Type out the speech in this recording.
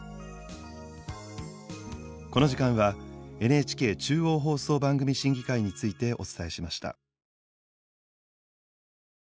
この時間はＮＨＫ中央放送番組審議会についてお伝えしました。